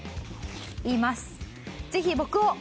言います。